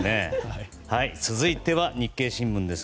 続いては日経新聞です。